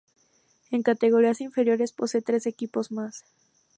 En categorías inferiores posee tres equipos más.